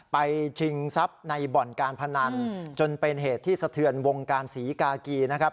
ชิงทรัพย์ในบ่อนการพนันจนเป็นเหตุที่สะเทือนวงการศรีกากีนะครับ